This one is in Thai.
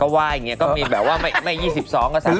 ไหว้อย่างนี้ก็มีแบบว่าไม่๒๒ก็๓๐